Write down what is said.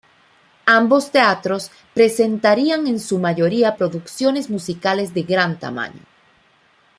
Ambos teatros presentarían en su mayoría producciones musicales de gran tamaño.